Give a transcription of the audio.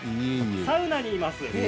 サウナにいます。